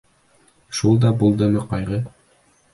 Шул да булдымы ҡайғы!